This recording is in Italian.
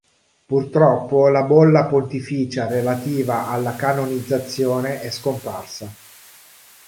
Purtroppo la Bolla pontificia relativa alla canonizzazione è scomparsa.